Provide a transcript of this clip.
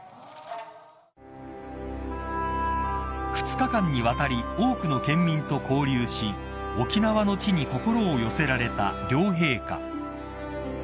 ［２日間にわたり多くの県民と交流し沖縄の地に心を寄せられた両陛下］